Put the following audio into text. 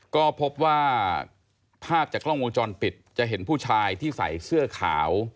ก็พบว่าภาพจากกล้องวงจรปิดจะเห็นผู้ชายที่ใส่เสื้อขาว